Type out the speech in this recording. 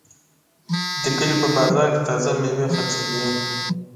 د کلي په بازار کې تازه میوې خرڅېدلې.